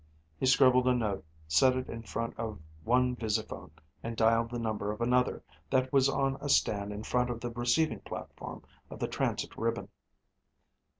He scribbled a note, set it in front of one visiphone and dialed the number of another that was on a stand in front of the receiving platform of the transit ribbon.